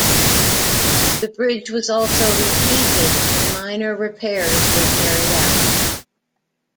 The bridge was also repainted and minor repairs were carried out.